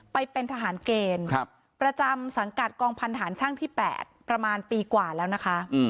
ไปเป็นทหารเกณฑ์ประจำสังกัดกองพันธานช่างที่๘ประมาณปีกว่าแล้วนะคะ